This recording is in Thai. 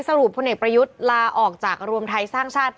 พลเอกประยุทธ์ลาออกจากรวมไทยสร้างชาติ